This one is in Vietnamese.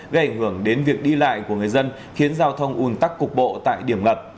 gây ảnh hưởng đến việc đi lại của người dân khiến giao thông un tắc cục bộ tại điểm ngập